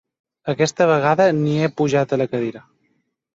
Aquesta vegada ni he pujat a la cadira.